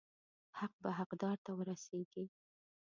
حق به حقدار ته ورسیږي.